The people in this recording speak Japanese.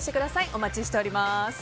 お待ちしております。